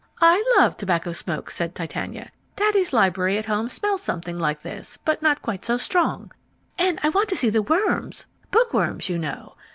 "I love tobacco smell," said Titania. "Daddy's library at home smells something like this, but not quite so strong. And I want to see the worms, bookworms you know.